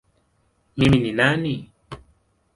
Mimi ni nani?